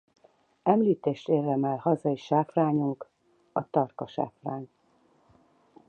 Említést érdemel hazai sáfrányunk a tarka sáfrány.